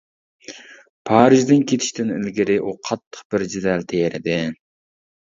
پارىژدىن كېتىشتىن ئىلگىرى ئۇ قاتتىق بىر جېدەل تېرىدى.